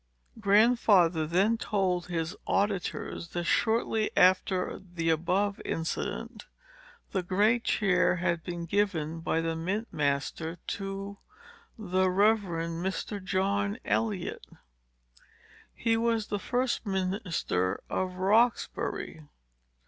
Grandfather then told his auditors, that, shortly after the above incident, the great chair had been given by the mint master to the Rev. Mr. John Eliot. He was the first minister of Roxbury.